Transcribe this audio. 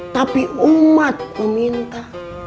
tapi umat meminta